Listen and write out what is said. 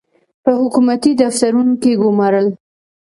په حکومتي دفترونو کې ګومارل.